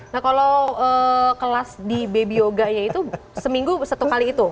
nah kalau kelas di baby yoganya itu seminggu satu kali itu